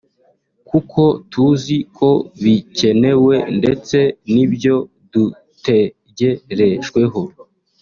kuko tuzi ko bikenewe ndetse n’ibyo dutegerejweho